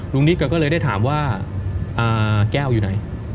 นิดก็เลยได้ถามว่าแก้วอยู่ไหน